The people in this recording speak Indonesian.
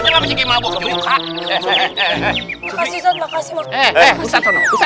gak akan ada energia